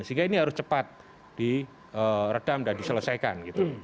sehingga ini harus cepat diredam dan diselesaikan gitu